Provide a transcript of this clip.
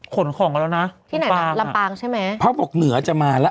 ขนของกันแล้วนะที่ไหนล่ะลำปางใช่ไหมพระบอกเหนือจะมาแล้ว